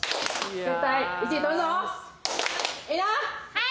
はい！